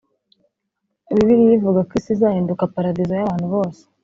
Bibiliya ivuga ko isi izahinduka paradizo y abantu bose